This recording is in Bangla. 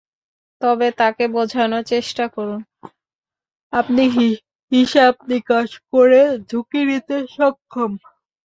তবে তাঁকে বোঝানোর চেষ্টা করুন, আপনি হিসাব-নিকাশ করে ঝুঁকি নিতে সক্ষম।